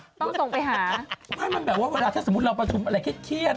ต้องส่งไปหาไม่มันแบบว่าเวลาถ้าสมมุติเราประชุมอะไรเครียด